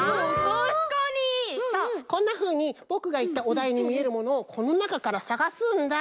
そうこんなふうにぼくがいったおだいにみえるものをこのなかからさがすんだ。